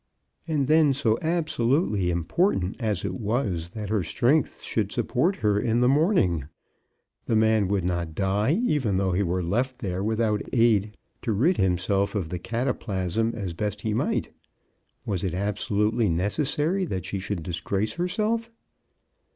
And then so absolutely important as it was that her strength should support her in the morning ! The man would not die even though he were left there without aid, to rid himself of the cataplasm as best he might. Was it abso lutely necessary that she should disgrace her self